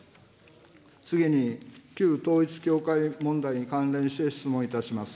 次に、旧統一教会問題に関連して質問いたします。